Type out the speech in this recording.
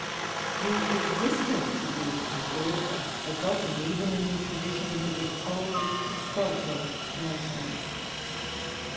The existence of these people is forgotten even in the traditions of the oldest historical nations.